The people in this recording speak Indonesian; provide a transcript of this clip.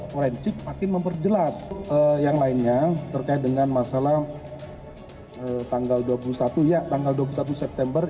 forensik makin memperjelas yang lainnya terkait dengan masalah tanggal dua puluh satu ya tanggal dua puluh satu september